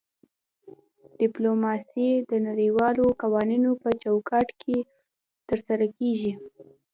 ډیپلوماسي د نړیوالو قوانینو په چوکاټ کې ترسره کیږي